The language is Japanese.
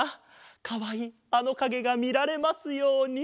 「かわいいあのかげがみられますように」ってね。